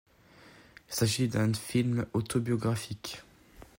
Il s'agit d'un film autobiographique.